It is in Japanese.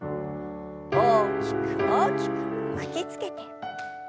大きく大きく巻きつけて。